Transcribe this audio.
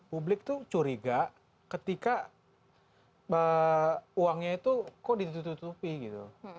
publik tuh curiga ketika uangnya itu kok ditutupi gitu